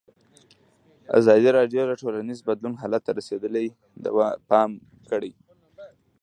ازادي راډیو د ټولنیز بدلون حالت ته رسېدلي پام کړی.